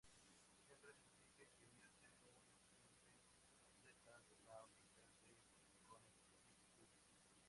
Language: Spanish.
Siempre sentí que quería ser un estudiante-atleta de la Universidad de Connecticut.